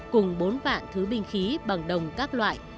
cùng bốn thứ binh khí bằng đồng các loại